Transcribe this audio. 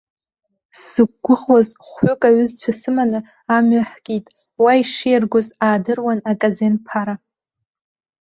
Сзықәгәыӷуаз хәҩык аҩызцәа сыманы, амҩа ҳкит, уа ишиаргоз аадыруан аказен ԥара.